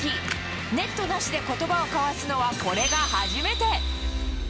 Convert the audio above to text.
ネットなしでことばを交わすのはこれが初めて。